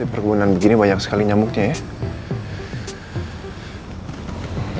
perkebunan begini banyak sekali nyamuknya ya